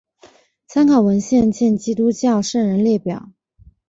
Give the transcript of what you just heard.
参考文献见基督教圣人列表。